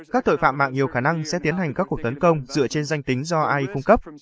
các tội phạm mạng nhiều khả năng sẽ tiến hành các cuộc tấn công dựa trên danh tính do ai cung cấp